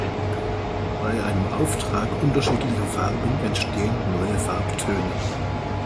Bei einem Auftrag unterschiedlicher Farben entstehen neue Farbtöne.